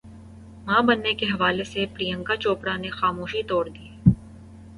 ماں بننے کے حوالے سے پریانکا چوپڑا نے خاموشی توڑ دی